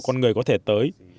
con người có thể tới